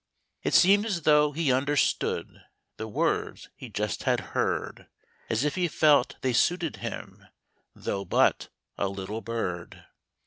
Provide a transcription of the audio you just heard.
It seemed as though he understood The words he just had heard, As if he felt they suited him, Though but a little bird.